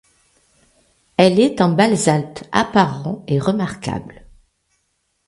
Elle est en basalte apparent et remarquable.